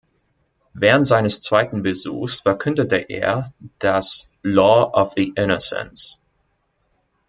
Während seines zweiten Besuchs verkündete er das "Law of the Innocents".